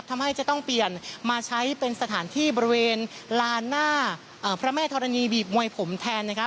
ทำให้จะต้องเปลี่ยนมาใช้เป็นสถานที่บริเวณลานหน้าพระแม่ธรณีบีบมวยผมแทนนะคะ